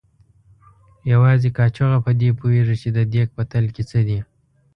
یوازې کاچوغه په دې پوهېږي چې د دیګ په تل کې څه دي.